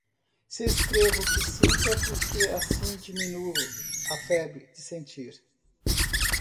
Se escrevo o que sinto é porque assim diminuo a febre de sentir.